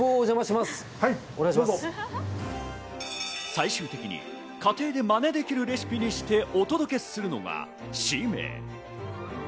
最終的に家庭でマネできるレシピにしてお届けするのが使命。